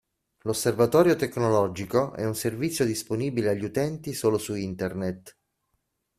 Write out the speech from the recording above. L'Osservatorio Tecnologico è un servizio disponibile agli utenti solo su Internet.